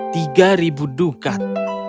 tiga ribu dukat